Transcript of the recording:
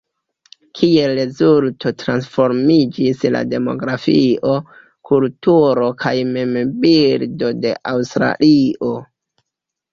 Kiel rezulto transformiĝis la demografio, kulturo kaj mem-bildo de Aŭstralio.